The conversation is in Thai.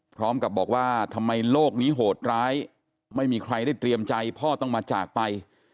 พร้อมกับบอกว่าทำไมโลกนี้โหดร้ายไม่มีใครได้เตรียมใจพ่อต้องมาจากไป